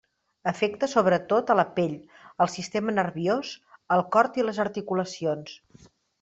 Afecta, sobretot, a la pell, el sistema nerviós, el cor i les articulacions.